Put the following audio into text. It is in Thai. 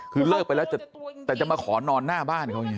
คือเลิกไปแล้วแต่จะมาขอนอนหน้าบ้านเขาอย่างนี้